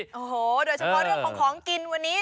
โอ้โหโดยเฉพาะเรื่องของของกินวันนี้